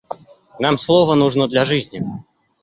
Нам слово нужно для жизни.